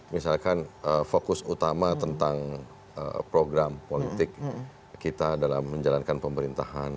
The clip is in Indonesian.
misalkan fokus utama tentang program politik kita dalam menjalankan pemerintahan